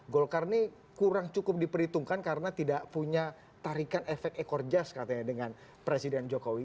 golkar ini kurang cukup diperhitungkan karena tidak punya tarikan efek ekor jas katanya dengan presiden jokowi